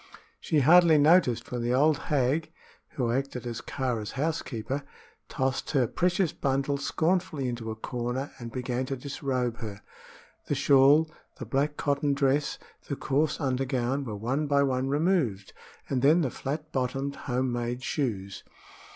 She scarcely noticed when the old hag who acted as Kāra's housekeeper tossed her precious bundle scornfully into a corner and began to disrobe her. The shawl, the black cotton dress, the coarse undergown, were one by one removed, and then the flat bottomed home made shoes.